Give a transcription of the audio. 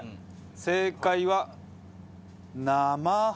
正解は生ハ。